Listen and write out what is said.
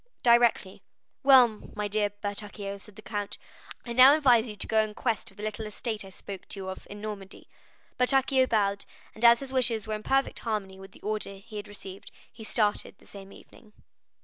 "Directly." "Well, my dear Bertuccio," said the count, "I now advise you to go in quest of the little estate I spoke to you of in Normandy." Bertuccio bowed, and as his wishes were in perfect harmony with the order he had received, he started the same evening.